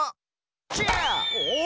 チェアー！